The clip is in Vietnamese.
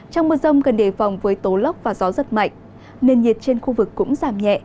trong mưa rông cần đề phòng với tố lốc và gió giật mạnh nền nhiệt trên khu vực cũng giảm nhẹ